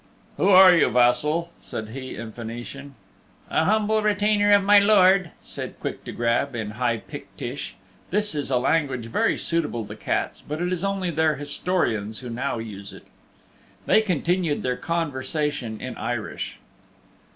"Who are you, vassal?" said he in Phoenician. "A humble retainer of my lord," said Quick to Grab in High Pictish (this is a language very suitable to cats but it is only their historians who now use it). They continued their conversation in Irish.